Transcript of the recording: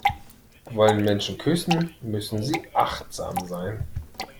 Wollen Menschen küssen, müssen sie achtsam sein.